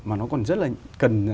mà nó còn rất là cần